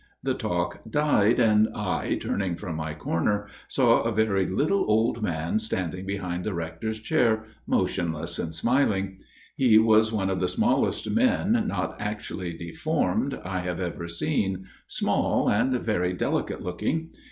The talk died, and I, turning from my corner, saw a very little old man standing behind the Rector's chair, motionless and smiling. He was one of the smallest men, not actually deformed, I have ever seen, small and very delicate looking.